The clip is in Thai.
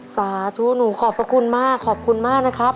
สาธุหนูขอบพระคุณมากขอบคุณมากนะครับ